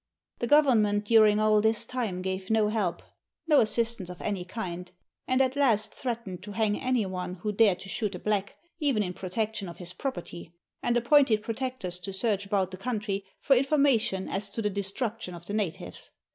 The Government during all this time gave no help, no assis tance of any kind, and at last threatened to hang any one who dared to shoot a black, even in protection of his property, and appointed Protectors to search about the country for information as to the destruction of the natives.